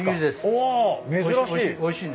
お珍しい。